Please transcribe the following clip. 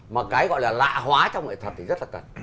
mà cái gọi là lạ hóa trong nghệ thuật thì rất là cần